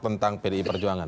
tentang pd perjuangan